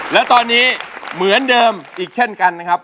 แล้วตอนนี้เหมือนเดิมอีกเช่นกันนะครับ